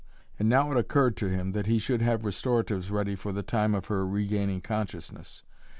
And now it occurred to him that he should have restoratives ready for the time of her regaining consciousness.